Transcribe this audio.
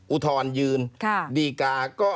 อุทธรณ์ยืนดีกาก็